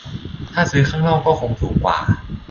ถ้าซื้อข้างนอกก็คงถูกกว่า